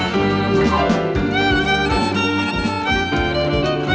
สวัสดีครับ